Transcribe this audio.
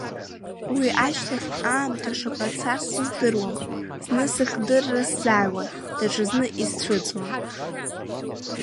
Уи ашьҭахь, аамҭа шаҟа цаз сыздыруам, зны сыхдырра сзааиуан, даҽазны исцәыӡуан.